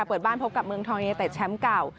เปิดบ้านพบกับเมืองทองยูเนเต็ดแชมป์เก่า